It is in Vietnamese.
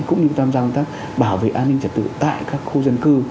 cũng như tham gia công tác bảo vệ an ninh trật tự tại các khu dân cư